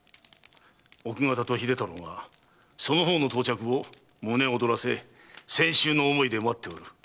奥方と秀太郎がその方の到着を胸を躍らせ千秋の思いで待っておる。